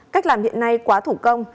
cách làm hiện nay quá thủ công